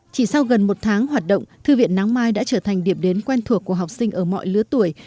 chỉ sau gần một tháng hoạt động thư viện nắng mai đã trở thành điểm đến quen thuộc của học sinh ở mọi lứa tuổi